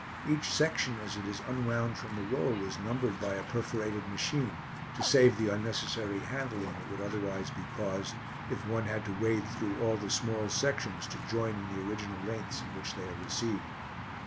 Each section as it is unwound from the roll is numbered by a perforated machine, to save the unnecessary handling that would otherwise be caused if one had to wade through all the small sections to join in the original lengths in which they are received.